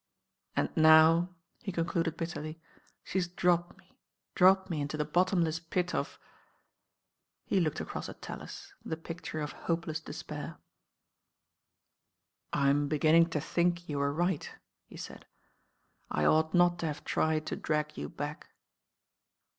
"And now," he concluded bitterly, "she's dropped me, dropped me into the bottomleu pit of " He look across at Tallis. the picture of hopeless despair. I m beginning to think you were right," he said. I ought not to have tried to drag you back."